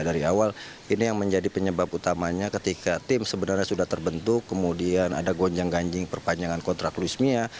dari awal ini yang menjadi penyebab utamanya ketika tim sebenarnya sudah terbentuk kemudian ada gonjang ganjing perpanjangan kontrak luismia